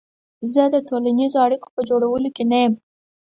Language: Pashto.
زه د ټولنیزو اړیکو په جوړولو کې نه یم.